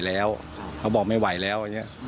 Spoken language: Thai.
เลยไม่ไหวแล้ว